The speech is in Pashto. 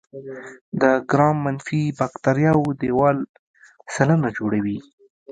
د ګرام منفي باکتریاوو دیوال سلنه جوړوي.